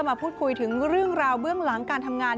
มาพูดคุยถึงเรื่องราวเบื้องหลังการทำงาน